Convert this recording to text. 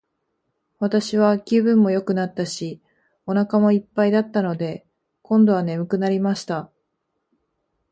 私は気分もよくなったし、お腹も一ぱいだったので、今度は睡くなりました。